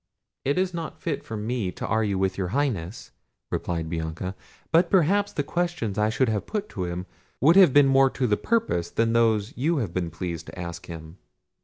"It is not fit for me to argue with your Highness," replied Bianca; "but perhaps the questions I should have put to him would have been more to the purpose than those you have been pleased to ask him."